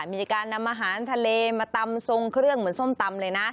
มีการนำอาหารทะเลมาตำทรงเครื่องเหมือนส้มตำเลยนะ